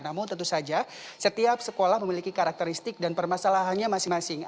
namun tentu saja setiap sekolah memiliki karakteristik dan permasalahannya masing masing